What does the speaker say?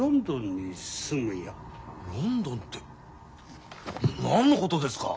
ロンドンって何のことですか？